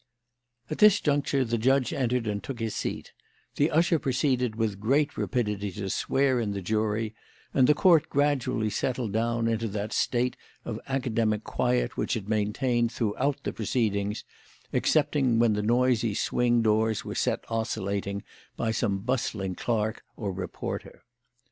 At this juncture the judge entered and took his seat; the usher proceeded with great rapidity to swear in the jury, and the Court gradually settled down into that state of academic quiet which it maintained throughout the proceedings, excepting when the noisy swing doors were set oscillating by some bustling clerk or reporter.